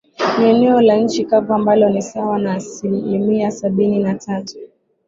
ni eneo la nchi kavu ambalo ni sawa na asilimia sabini na tatu